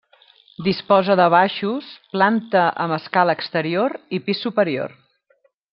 Disposa de baixos, planta amb escala exterior i pis superior.